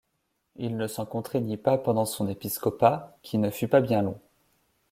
Il ne s'en contraignit pas pendant son épiscopat, qui ne fut pas bien long.